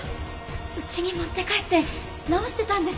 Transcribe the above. うちに持って帰って直してたんです。